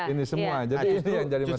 ini semua jadi ini yang jadi masalah